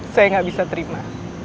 saya gak bisa terima